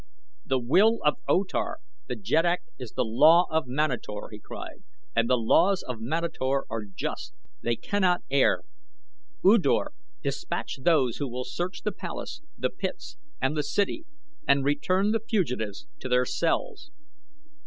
"The will of O Tar, the jeddak, is the law of Manator," he cried, "and the laws of Manator are just they cannot err. U Dor, dispatch those who will search the palace, the pits, and the city, and return the fugitives to their cells.